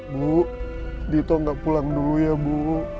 bu dito nggak pulang dulu ya bu